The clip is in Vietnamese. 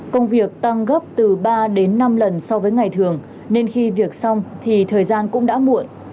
công việc tăng gấp từ ba đến năm lần so với ngày thường nên khi việc xong thì thời gian cũng đã muộn